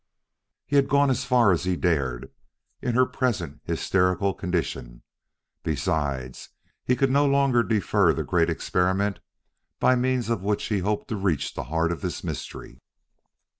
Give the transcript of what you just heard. He had gone as far as he dared in her present hysterical condition. Besides, he could no longer defer the great experiment by means of which he hoped to reach the heart of this mystery.